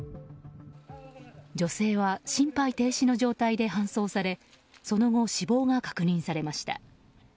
女性は心肺停止の状態で搬送されその後、死亡が確認されました。